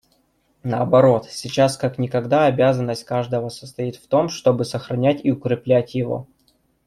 Наоборот, сейчас как никогда обязанность каждого состоит в том, чтобы сохранять и укреплять его.